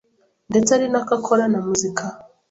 ndetse ari nako akora na muzika.